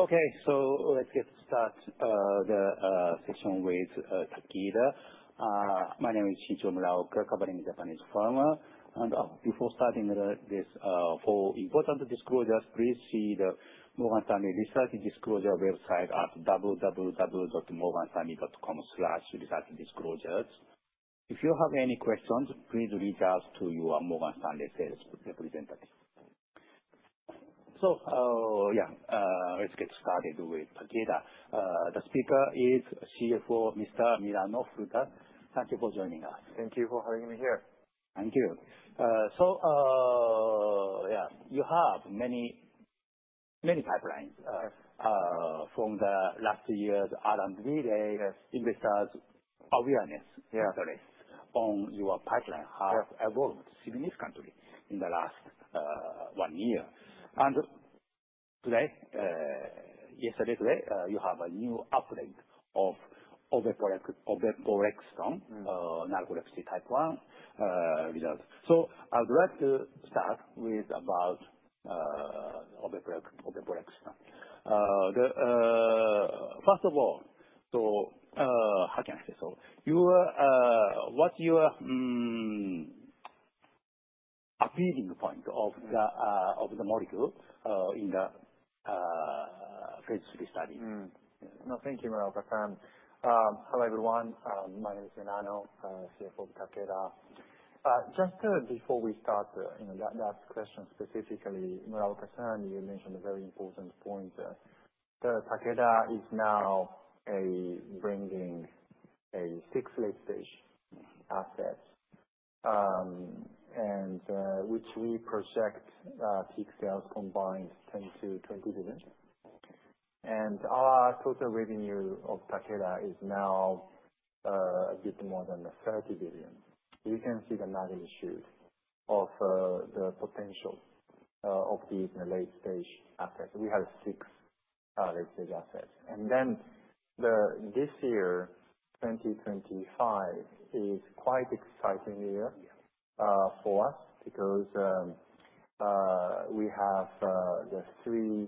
Okay, so let's get started with Takeda. My name is Shinichiro Muraoka, a research analyst at Morgan Stanley. Before starting this, for important disclosures, please see the Morgan Stanley Research Disclosure website at www.morganstanley.com/researchdisclosures. If you have any questions, please reach out to your Morgan Stanley sales representative. Yeah, let's get started with Takeda. The speaker is CFO, Mr. Milano Furuta. Thank you for joining us. Thank you for having me here. Thank you. So yeah, you have many pipelines from the last year's R&D, the investors' awareness, interest on your pipeline have evolved significantly in the last one year. And yesterday, today, you have a new update of Oveporexton Narcolepsy Type 1 results. I would like to start with about Oveporexton. First of all, so how can I say? So what's your appealing point of the molecule in the phase three study? No, thank you, Shinichiro Muraoka. Hello everyone. My name is Milano Furuta, CFO of Takeda. Just before we start, last question specifically, Shinichiro Muraoka, you mentioned a very important point. Takeda is now bringing six late-stage assets, which we project peak sales combined $10 billion-$20 billion. Our total revenue of Takeda is now a bit more than $30 billion. You can see the magnitude of the potential of these late-stage assets. We have six late-stage assets. This year, 2025, is quite an exciting year for us because we have the three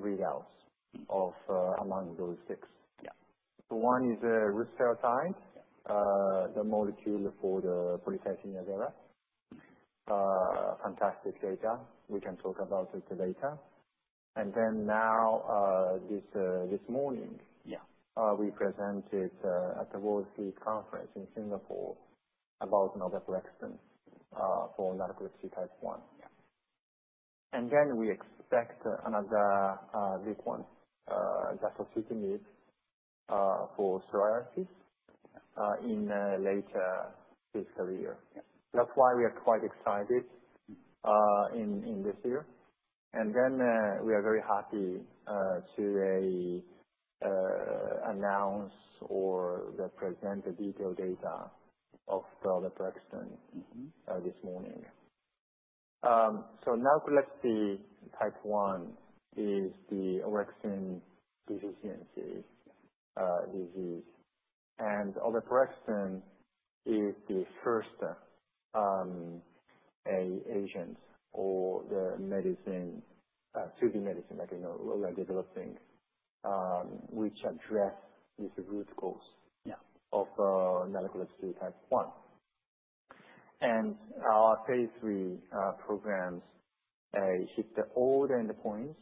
readouts among those six. So one is Rusfertide, the molecule for polycythemia vera. Fantastic data. We can talk about it later. And then now this morning, we presented at the World Sleep Conference in Singapore about TAK-861 for narcolepsy type 1. We expect another big one. That's Zasocitinib for psoriasis in the later fiscal year. That's why we are quite excited in this year. We are very happy to announce or present the detailed data of the TAK-861 this morning. Narcolepsy Type 1 is the orexin deficiency disease. TAK-861 is the first agent or the medicine to be medicine that we are developing, which addresses these root causes of Narcolepsy Type 1. Our phase 3 programs hit all the endpoints,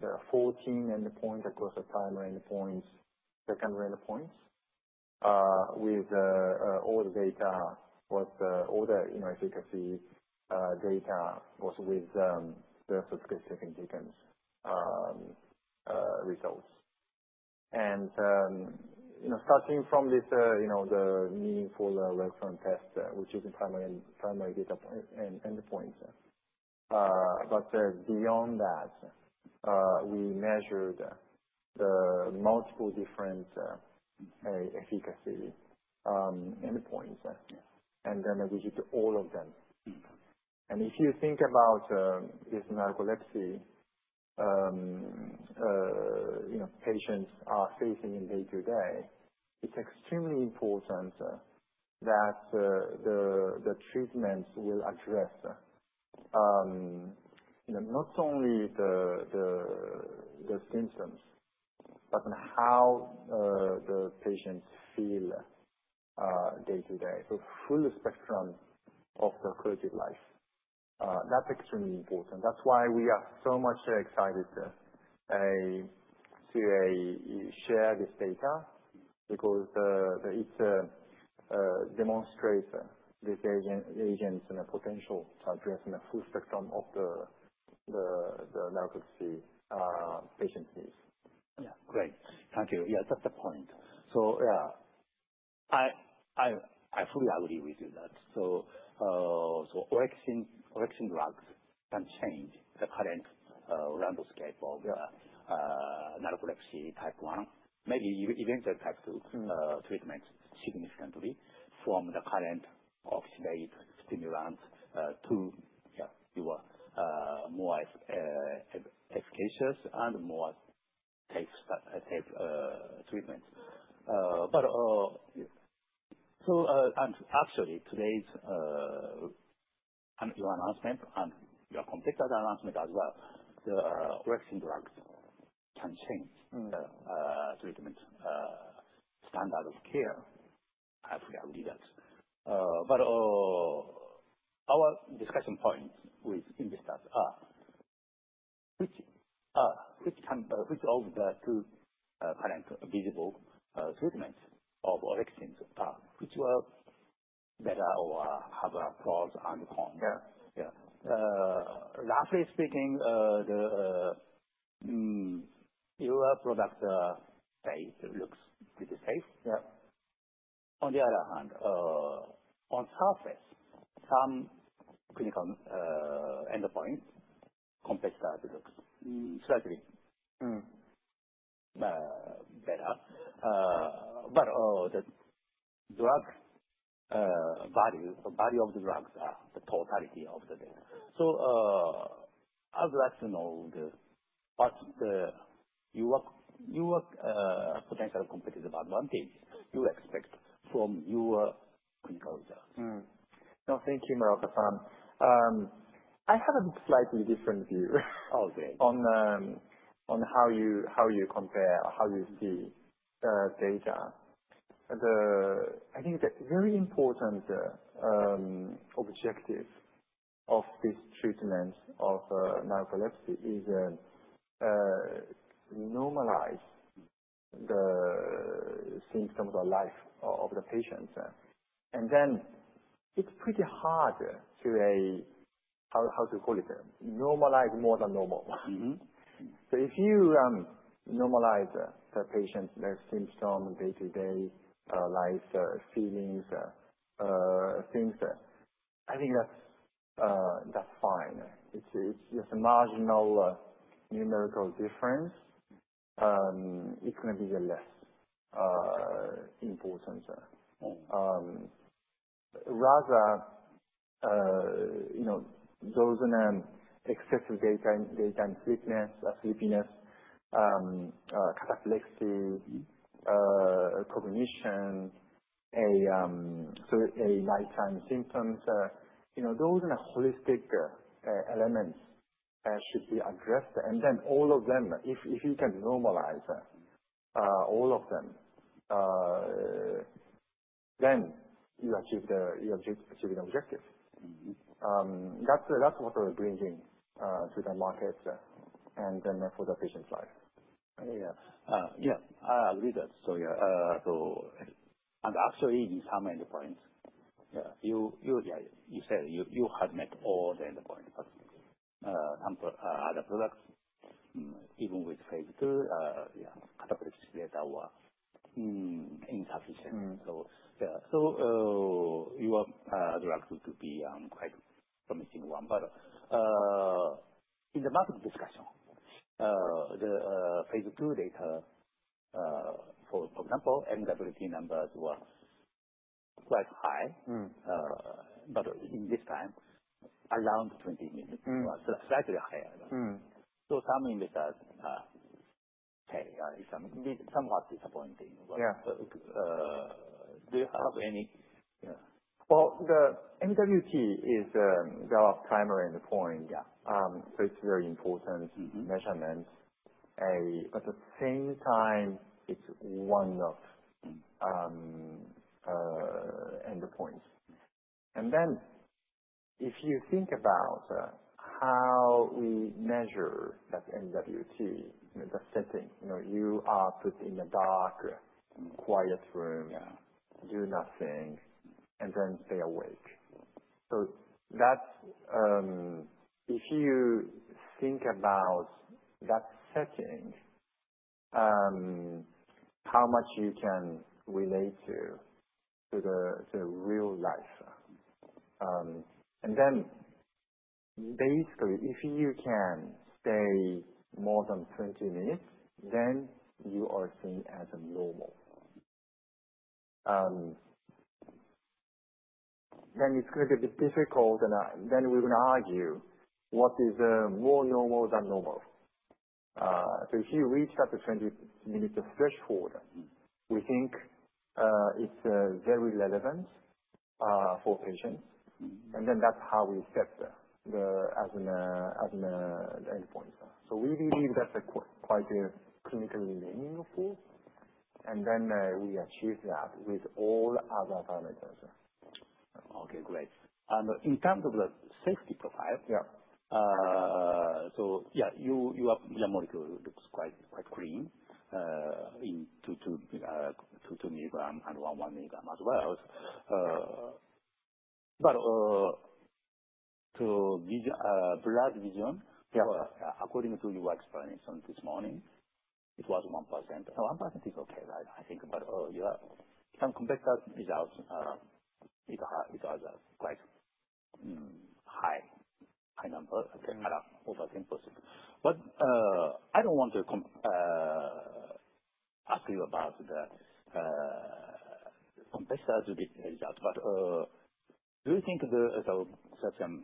the 14 endpoints across the primary endpoints, secondary endpoints, with all the data. All the efficacy data was with the statistically significant results. Starting from the MWT, which is the primary endpoint. But beyond that, we measured the multiple different efficacy endpoints, and then we hit all of them. And if you think about this narcolepsy patients are facing in day-to-day, it's extremely important that the treatments will address not only the symptoms, but how the patients feel day-to-day. So full spectrum of the quality of life. That's extremely important. That's why we are so much excited to share this data because it demonstrates this agent's potential to address the full spectrum of the narcolepsy patient needs. Yeah, great. Thank you. Yeah, that's the point. So yeah, I fully agree with you that. So orexin drugs can change the current landscape of Narcolepsy Type 1, maybe even the type 2 treatments significantly from the current existing stimulant to more efficacious and more safe treatments. And actually, today's announcement and the complete announcement as well, the orexin drugs can change the treatment standard of care. I fully agree that. But our discussion points with investors are which of the two current viable treatments of orexins are which were better or have pros and cons. Yeah. Yeah. Roughly speaking, your product looks pretty safe. On the other hand, on the surface, some clinical endpoints, competitors look slightly better. But the drug value, the value of the drugs are the totality of the data. So I would like to know what's your potential competitive advantage you expect from your clinical results. No, thank you, Shinichiro Muraoka. I have a slightly different view on how you compare, how you see data. I think the very important objective of this treatment of narcolepsy is to normalize the symptoms or life of the patient. And then it's pretty hard to, how to call it, normalize more than normal. So if you normalize the patient, their symptoms, day-to-day life, feelings, things, I think that's fine. It's just a marginal numerical difference. It's going to be less important. Rather, those excessive daytime sleepiness, cataplexy, cognition, so nighttime symptoms, those holistic elements should be addressed. And then all of them, if you can normalize all of them, then you achieve the objective. That's what we're bringing to the market and then for the patient's life. Yeah, I agree that. Actually, in some endpoints, you said you have met all the endpoints. But some other products, even with phase 2, cataplexy data were insufficient. So, you are directed to be quite promising one. But in the market discussion, the phase 2 data, for example, MWT numbers were quite high. But this time, around 20 minutes, slightly higher. So some investors say somewhat disappointing. Do you have any? The MWT is our primary endpoint. It's a very important measurement. At the same time, it's one of the endpoints. If you think about how we measure that MWT, the setting, you are put in a dark, quiet room, do nothing, and then stay awake. If you think about that setting, how much you can relate to the real life. Basically, if you can stay more than 20 minutes, then you are seen as normal. It's going to be a bit difficult. We're going to argue what is more normal than normal. If you reach that 20-minute threshold, we think it's very relevant for patients. That's how we set the endpoints. We believe that's quite clinically meaningful. We achieve that with all other parameters. Okay, great. In terms of the safety profile, so yeah, your molecule looks quite clean in 22 milligram and 11 milligram as well. But to visual disturbance, according to your experience on this morning, it was 1%. 1% is okay, I think. But your competitor results are quite high, high number, around over 10%. But I don't want to ask you about the competitor's results. But do you think the certain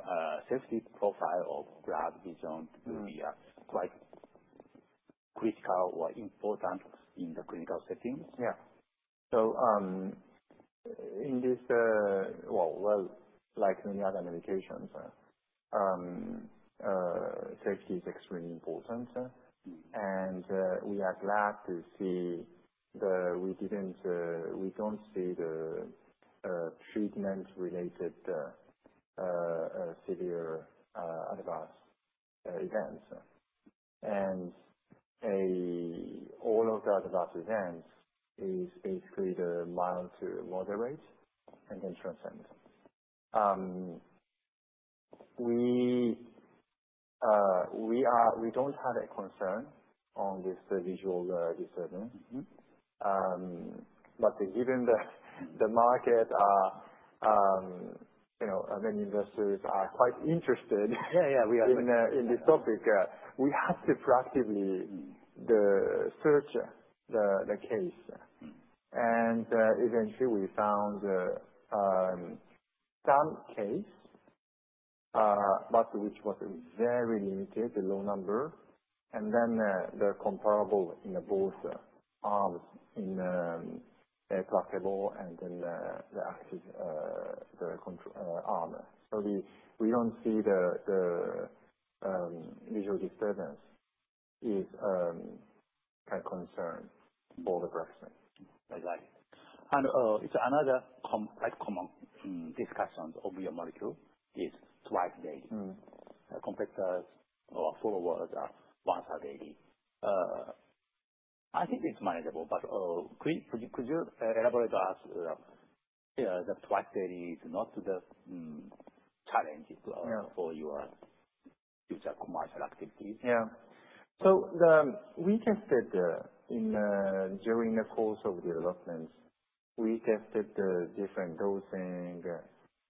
safety profile of visual disturbance will be quite critical or important in the clinical settings? Yeah, so in this, well, like many other medications, safety is extremely important, and we are glad to see we don't see the treatment-related severe adverse events, and all of the adverse events is basically the mild to moderate and then transient. We don't have a concern on this visual disturbance, but given the market, many investors are quite interested in this topic, we had to proactively search the case, and eventually, we found some case, but which was very limited, low number, and then the comparable in both arms, in the placebo and then the active arm, so we don't see the visual disturbance is a concern for Oveporexton. I like it. And it's another quite common discussion of your molecule is twice daily. Competitors or followers are once daily. I think it's manageable. But could you elaborate to us that twice daily is not the challenge for your future commercial activities? Yeah. So we tested during the course of development. We tested different dosing.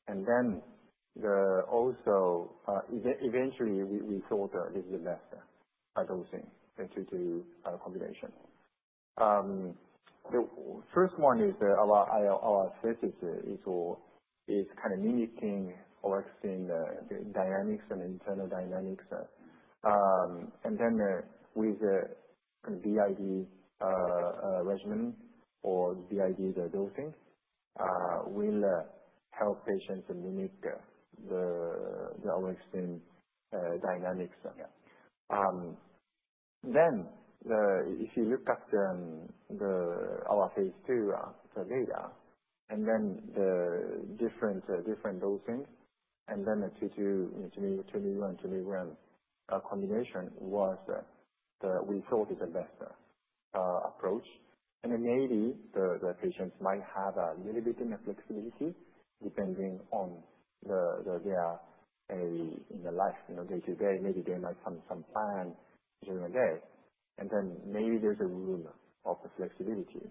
And then also eventually, we thought this is the best dosing to do combination. The first one is our thesis is kind of mimicking orexin dynamics and diurnal dynamics. And then with the BID regimen or BID dosing, we'll help patients mimic the orexin dynamics. Then if you look at our phase 2 data, and then the different dosing, and then the 22-milligram, two-milligram combination was we thought is the best approach. And then maybe the patients might have a little bit of flexibility depending on their day-to-day life. Maybe they might have some plan during the day. And then maybe there's room for flexibility.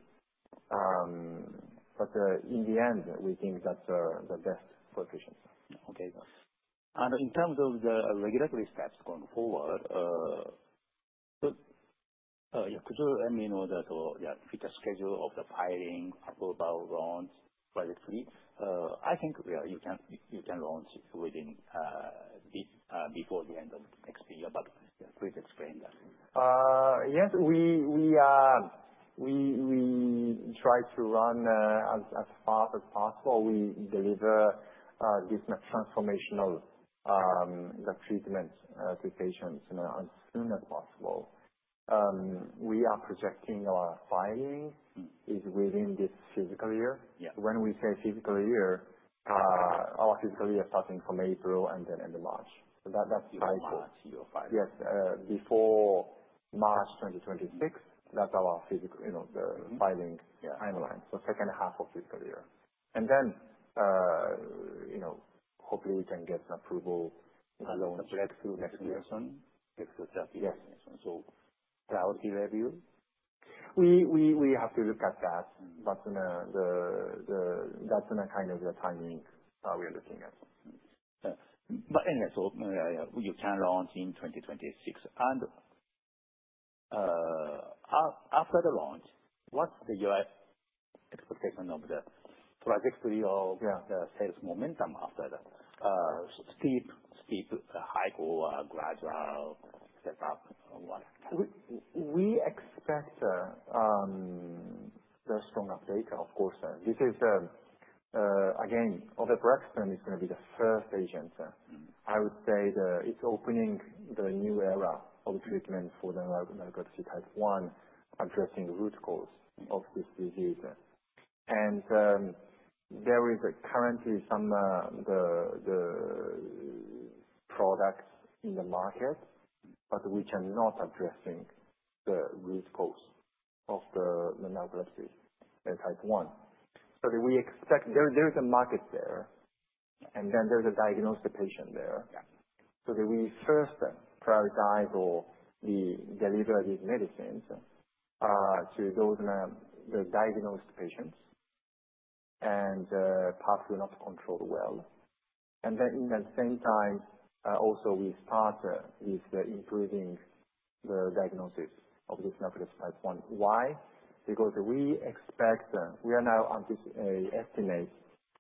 But in the end, we think that's the best for patients. Okay, and in terms of the regulatory steps going forward, yeah, could you let me know the future schedule of the filing for launch project three? I think you can launch before the end of next year, but please explain that. Yes. We try to run as fast as possible. We deliver this transformational treatment to patients as soon as possible. We are projecting our filing is within this fiscal year. When we say fiscal year, our fiscal year starting from April and then March. So that's cycle. You are fine. You are fine. Yes. Before March 2026, that's our fiscal, the filing timeline. So second half of fiscal year. And then hopefully, we can get approval to launch next year. Next year? Yes. Priority level? We have to look at that. But that's the kind of timing we are looking at. But anyway, so you can launch in 2026. And after the launch, what's your expectation of the trajectory of the sales momentum after that? Steep, steep, hike, or gradual step up? We expect the strong update, of course. Because again, Oveporexton, it's going to be the first agent. I would say it's opening the new era of treatment for the Narcolepsy Type 1, addressing root cause of this disease, and there is currently some products in the market, but we cannot address the root cause of the Narcolepsy Type 1, so there is a market there, and then there's a diagnosed patient there, so we first prioritize or deliver these medicines to those diagnosed patients and possibly not controlled well, and then in the same time, also we start with improving the diagnosis of this Narcolepsy Type 1. Why? Because we expect we are now estimating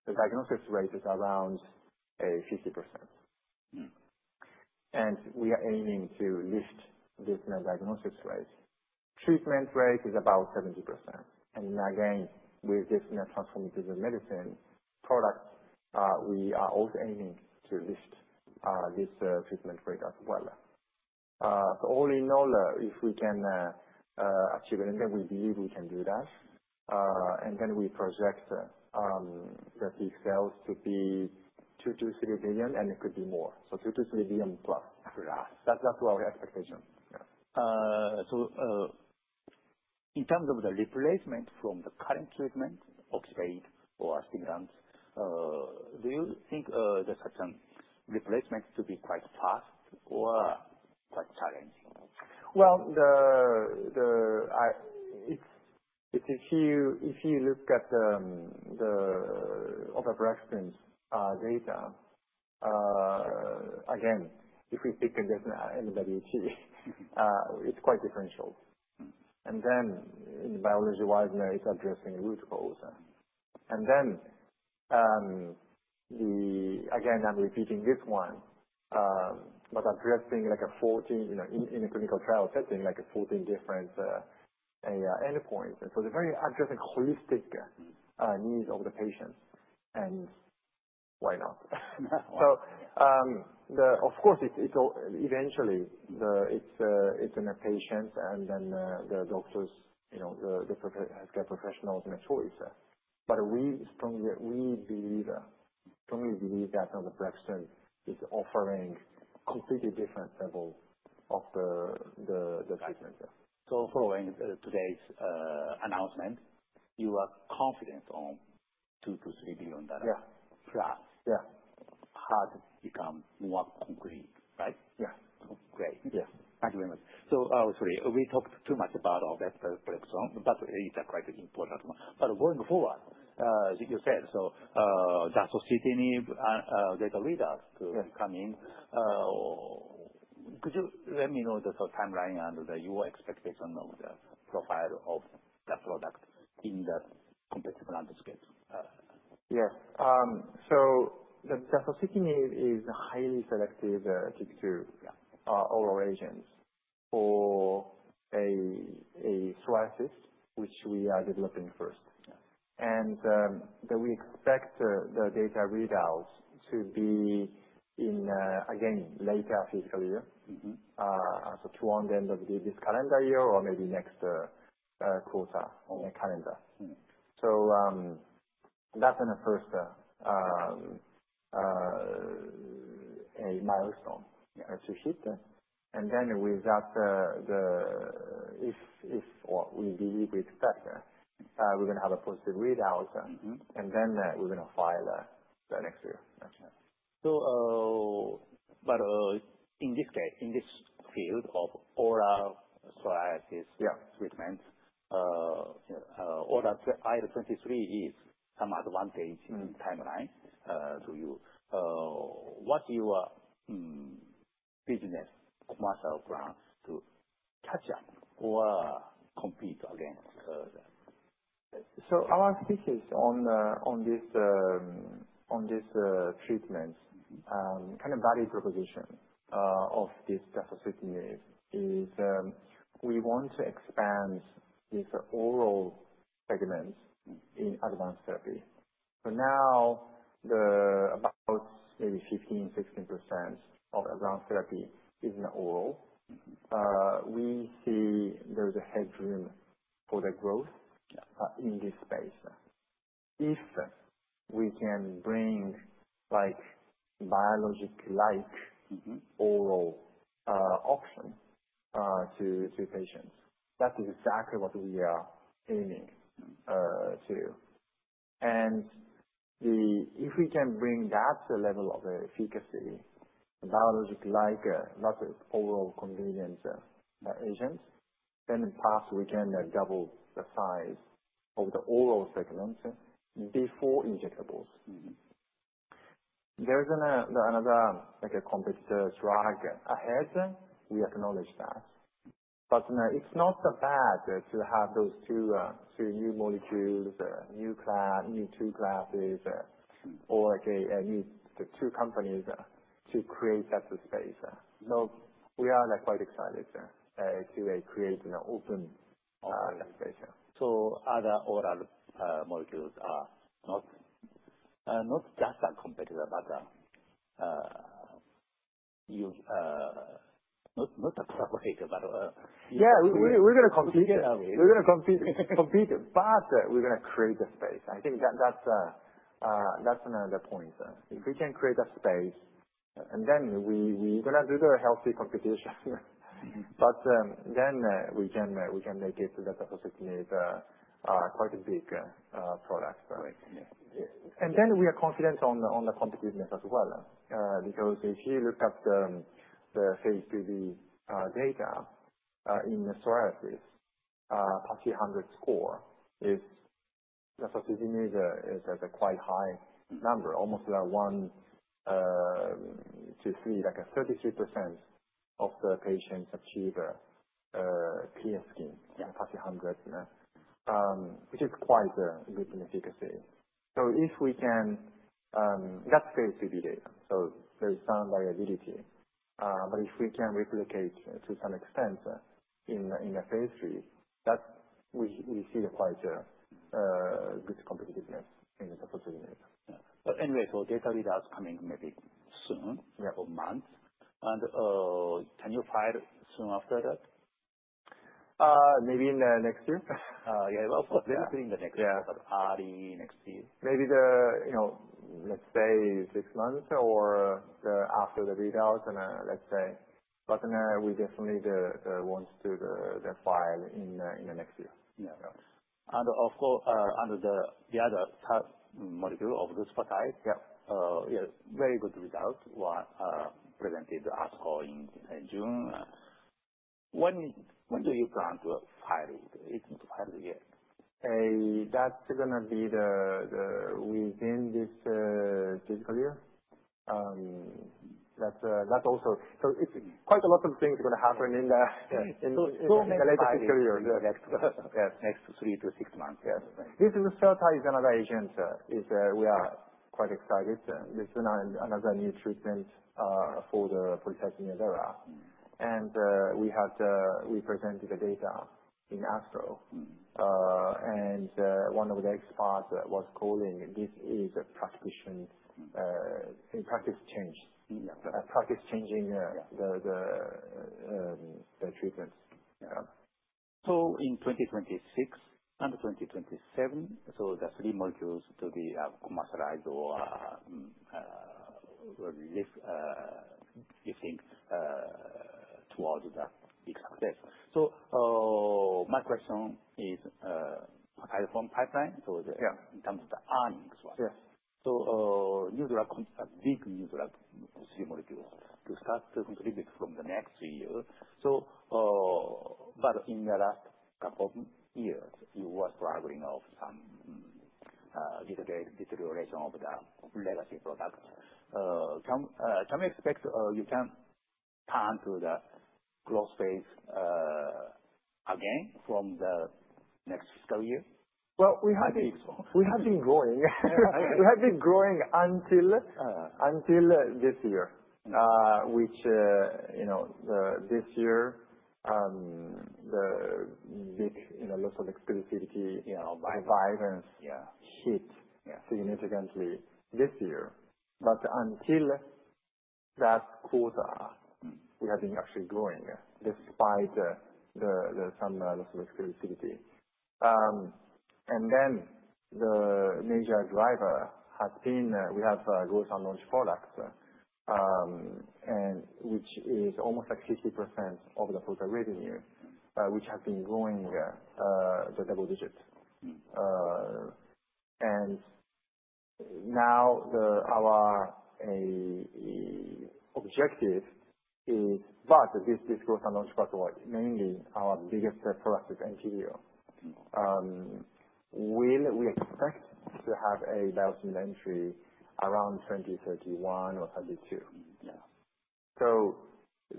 the diagnosis rate is around 50%, and we are aiming to lift this diagnosis rate. Treatment rate is about 70%. And again, with this transformative medicine product, we are also aiming to lift this treatment rate as well. So all in all, if we can achieve it, and then we believe we can do that. And then we project the big sales to be $2 billion-$3 billion, and it could be more. So $2 billion-$3 billion plus. That's good. That's our expectation. So in terms of the replacement from the current treatment of Xyrem or stimulants, do you think there's such a replacement to be quite fast or quite challenging? If you look at the Oveporexon data, again, if we pick just MWT, it's quite differential. And then biology-wise, it's addressing root cause. And then again, I'm repeating this one, but addressing in a clinical trial setting, like 14 different endpoints. So it's very addressing holistic needs of the patient. And why not? So of course, eventually, it's in the patient and then the doctors, the healthcare professionals' choice. But we strongly believe that Oveporexon is offering a completely different level of the treatment. Following today's announcement, you are confident on $2 billion-$3 billion plus. Yeah. Hard to become more concrete, right? Yeah. Great. Thank you very much. So sorry, we talked too much about all that background, but it's quite important. But going forward, you said so the Zasocitinib data readouts to come in. Could you let me know the timeline and your expectation of the profile of the product in the competitive landscape? Yes. So the Zasocitinib is highly selective to our agents for a thrust, which we are developing first. And we expect the data readouts to be in, again, later this year, so toward the end of this calendar year or maybe next calendar quarter. So that's the first milestone to hit. And then with that, we believe we expect we're going to have a positive readout, and then we're going to file the next year. So in this case, in this field of oral psoriasis treatment, oral IL-23 has some advantage in timeline to you. What's your business commercial plans to catch up or compete against? Our thesis on this treatment, kind of value proposition of this Zasocitinib, is we want to expand this oral segment in advanced therapy. Now about maybe 15%-16% of advanced therapy is in the oral. We see there's headroom for the growth in this space. If we can bring biologic-like oral option to patients, that is exactly what we are aiming to. If we can bring that level of efficacy, biologic-like, not just a convenience agent, then in part, we can double the size of the oral segment before injectables. There's another competitor drug ahead. We acknowledge that. It's not that bad to have those two new molecules, new two classes, or two companies to create that space. We are quite excited to create an open space. So other oral molecules are not just a competitor, but not a collaborator. Yeah. We're going to compete. We're going to compete. But we're going to create a space. I think that's another point. If we can create a space, and then we're going to do the healthy competition. But then we can make it that Zasocitinib quite a big product. And then we are confident on the competition as well. Because if you look at the phase 3 data in psoriasis, PASI 100 score is Zasocitinib is quite high number, almost 1 to 3, like 33% of the patients achieve clear skin in PASI 100, which is quite good in efficacy. So if we can that's phase 3 data. So there is some variability. But if we can replicate to some extent in the phase 3, we see quite good competitiveness in the Zasocitinib. But anyway, so data readouts coming maybe soon or months. And can you file soon after that? Maybe in the next year. Yeah. Well, let me say in the next year, but early next year. Maybe let's say six months or after the readouts, let's say. But we definitely want to file in the next year. Yeah, and of course, under the other molecule of this portfolio, very good results were presented at ASCO in June. When do you plan to file it? It's not filed yet. That's going to be within this fiscal year. That's also, so it's quite a lot of things going to happen in the latter fiscal year. Next three to six months. This is another agent. We are quite excited. This is another new treatment for the Polycythemia Vera. And we presented the data in ASTRO. And one of the experts was calling this a practice change, practice changing the treatments. In 2026 and 2027, the three molecules to be commercialized or lifting towards that big success. My question is from pipeline. In terms of the earnings was. New drug, big new drug, three molecules to start to contribute from the next year. But in the last couple of years, you were struggling of some deterioration of the legacy product. Can we expect you can turn to the growth phase again from the next fiscal year? We have been growing. We have been growing until this year, which, this year, a lot of exclusivity by Vyvanse hit significantly this year. Until that quarter, we have been actually growing despite some loss of exclusivity. The major driver has been we have growth on launch products, which is almost like 50% of the total revenue, which has been growing the double digit. Now our objective is, but this growth on launch product was mainly our biggest product is Entyvio. Will we expect to have a biosimilar entry around 2031 or 2032?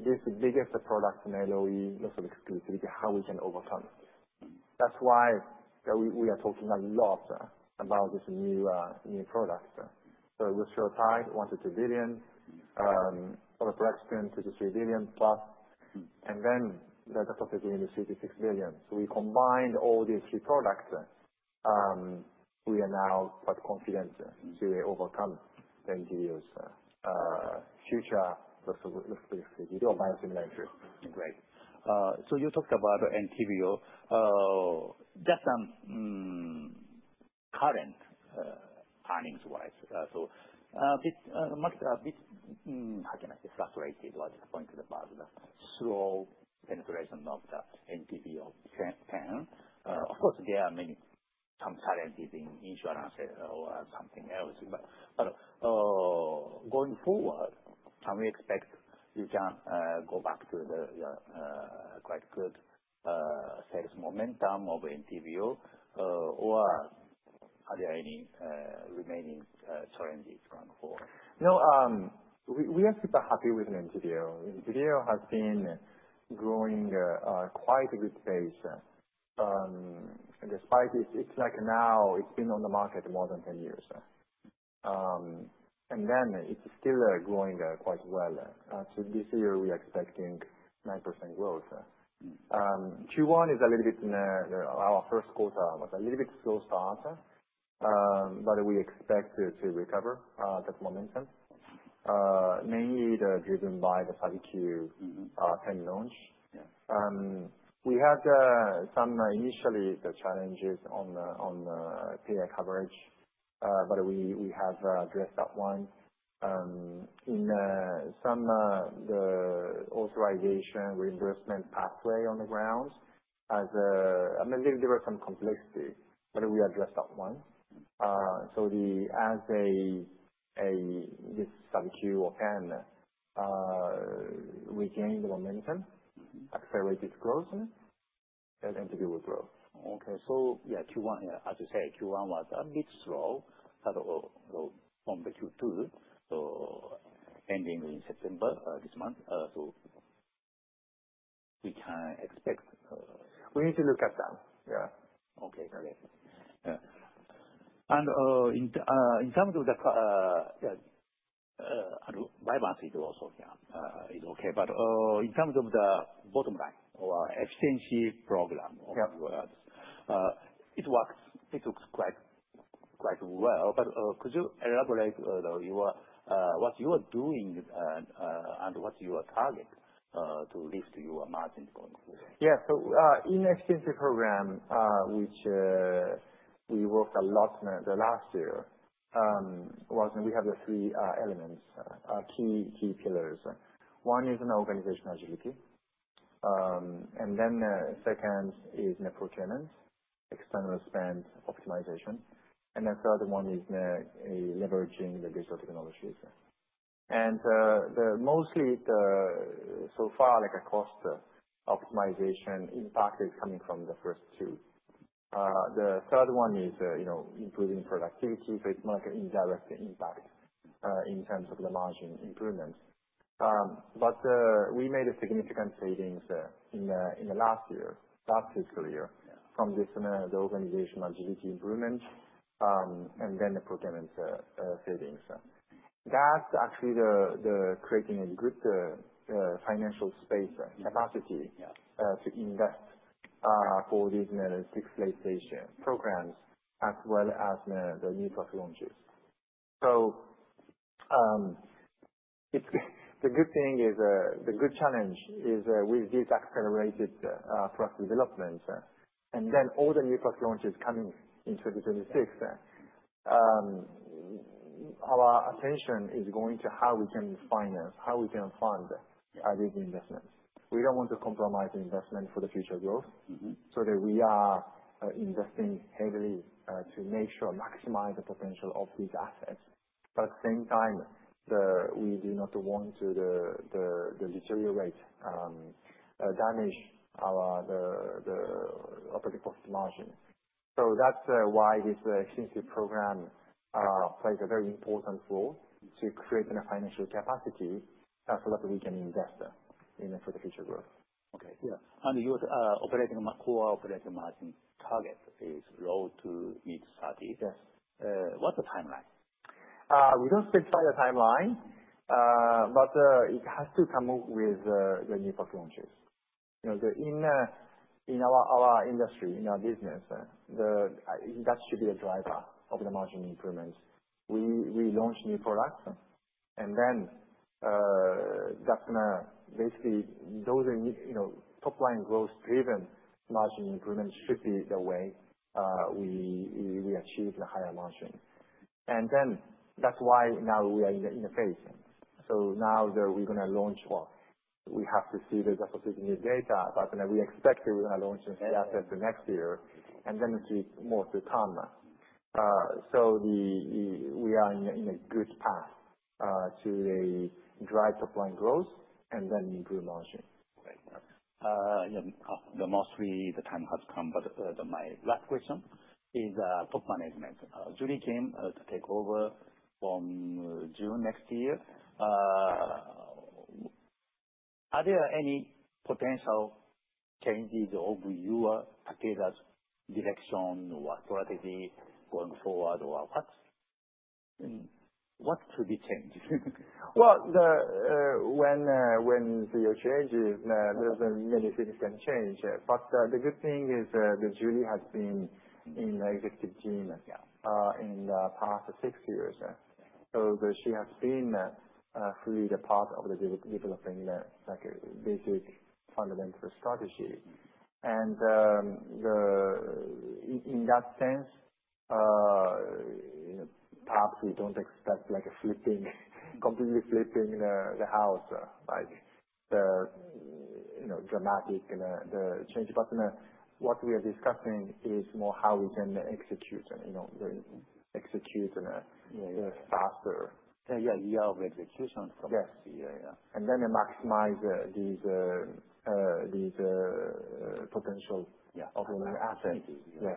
This biggest product in LOE, loss of exclusivity, how we can overcome it. That's why we are talking a lot about this new product. It was Rusfertide, $1-$2 billion, Oveporexton $2-$3 billion plus. Then the Zasocitinib is $6 billion. So we combined all these three products. We are now quite confident to overcome the Entyvio's future loss of exclusivity or biosimilar entry. Great. So you talked about NPDO. Just some current earnings-wise, so a bit saturated or disappointed about the slow penetration of the NPDO 10. Of course, there are many challenges in insurance or something else, but going forward, can we expect you can go back to the quite good sales momentum of NPDO? Or are there any remaining challenges going forward? No. We are super happy with NPDO. NPDO has been growing quite a good pace. Despite it, it's like now it's been on the market more than 10 years, and then it's still growing quite well. This year, we are expecting 9% growth. Q1 is a little bit in our first quarter was a little bit slow start, but we expect to recover that momentum, mainly driven by the SADIQ 10 launch. We had some initial challenges on payer coverage, but we have addressed that one. In some authorization reimbursement pathway on the ground, there was some complexity, but we addressed that one. As this SADIQ or 10 regains momentum, accelerated growth, NPDO will grow. Okay. So yeah, Q1, as you said, Q1 was a bit slow, but from the Q2, so ending in September this month, so we can expect. We need to look at that. Yeah. Okay. Great. And in terms of the Vyvanse is also okay. But in terms of the bottom line or efficiency program, it looks quite well. But could you elaborate what you are doing and what's your target to lift your margin going forward? Yeah. So in the efficiency program, which we worked a lot the last year, we have three elements, key pillars. One is an organizational agility, and then the second is net procurement, external spend optimization. And the third one is leveraging the digital technologies. And mostly so far, the optimization impact is coming from the first two. The third one is improving productivity, so it's more like an indirect impact in terms of the margin improvement. But we made significant savings in the last year, last fiscal year, from the organizational agility improvement and then the procurement savings. That's actually creating a good financial space capacity to invest for these six late-stage programs as well as the new product launches. So the good thing is the big challenge is with this accelerated drug development. And then all the new drug launches coming in 2026, our attention is going to how we can finance, how we can fund these investments. We don't want to compromise investment for the future growth. So we are investing heavily to make sure we maximize the potential of these assets. But at the same time, we do not want to deteriorate or damage our operating profit margin. So that's why this exclusivity program plays a very important role to create a financial capacity so that we can invest for the future growth. Okay. Yeah. And your core operating margin target is low to mid-30. What's the timeline? We don't specify a timeline, but it has to come up with the new product launches. In our industry, in our business, that should be a driver of the margin improvements. We launch new products, and then that's going to basically those top-line growth-driven margin improvement should be the way we achieve the higher margin, and then that's why now we are in the phase, so now we're going to launch. We have to see the associated new data, but we expect we're going to launch next year and then more to come, so we are in a good path to drive top-line growth and then improve margin. Right. The time has come, but my last question is on top management. Julie Kim to take over in June next year. Are there any potential changes to your take on that direction or strategy going forward or what? What could be changed? When you change, there's many things can change. But the good thing is Julie has been in the executive team in the past six years. So she has been fully part of the developing basic fundamental strategy. And in that sense, perhaps we don't expect completely flipping the house, like the dramatic change. But what we are discussing is more how we can execute the faster. Yeah. Yeah. Yeah. Of execution from the CEO. Yes. And then maximize the potential of the assets. Yes.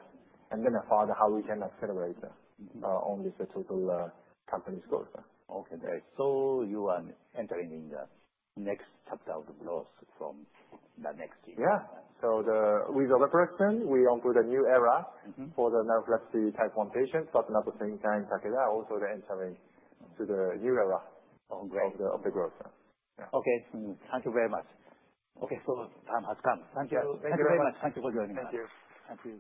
And then further how we can accelerate the total company's growth. Okay. Great. So you are entering in the next chapter of the growth from the next year. Yeah. So with orexin, we opened a new era for the Narcolepsy Type 1 patients. But at the same time, also the entry into the new era of the growth. Thank you very much. So time has come. Thank you very much. Thank you for joining us. Thank you.